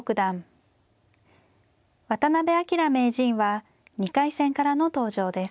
渡辺明名人は２回戦からの登場です。